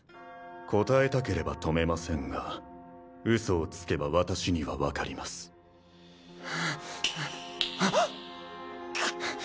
答えたければ止めませんがウソをつけば私には分かりますあっクッ